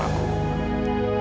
apa ya tujuannya